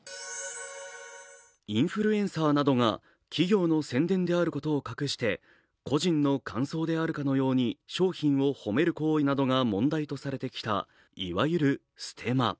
インフルエンサーなどが企業の宣伝であることなどを隠して個人の感想であるかのように商品を褒める行為が問題とされてきたいわゆるステマ。